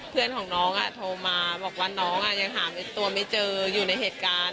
เพื่อนของน้องโทรมาบอกว่าน้องยังหาตัวไม่เจออยู่ในเหตุการณ์